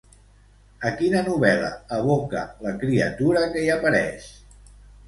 A quina novel·la evoca la criatura que hi apareix?